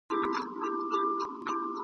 په کابل کي د بهرنیو چارو وزارت مخي ته !.